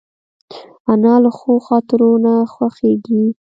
انا له ښو خاطرو نه خوښېږي